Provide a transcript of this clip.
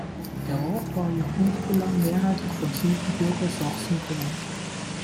Der Ort war jahrhundertelang mehrheitlich von Siebenbürger Sachsen bewohnt.